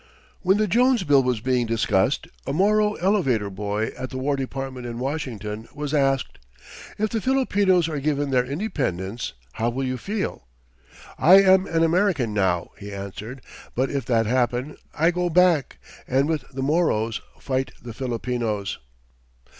When the Jones bill was being discussed a Moro elevator boy at the War Department in Washington was asked, "If the Filipinos are given their independence, how will you feel?" "I am an American now," he answered, "but if that happen I go back, and with the Moros fight the Filipinos!"